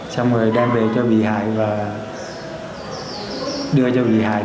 xong rồi đem về cho bị hại và đưa cho bị hại